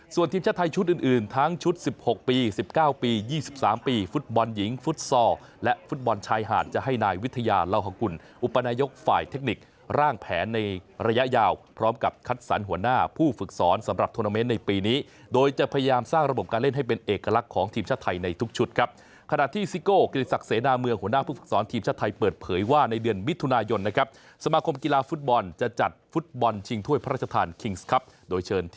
ส่วนทีมชาติไทยชุดอื่นทั้งชุด๑๖ปี๑๙ปี๒๓ปีฟุตบอลหญิงฟุตซอร์และฟุตบอลชายห่านจะให้นายวิทยาเหล้าหกุลอุปนายกฝ่ายเทคนิคร่างแผนในระยะยาวพร้อมกับคัดสรรหัวหน้าผู้ฝึกสอนสำหรับโทรเมนต์ในปีนี้โดยจะพยายามสร้างระบบการเล่นให้เป็นเอกลักษณ์ของทีมชาติไทยในทุกชุด